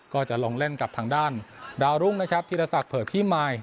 ก็จะลงเล่นกับทางด้านดาวรุ่งนะครับธีรศักดิเผื่อพี่มาย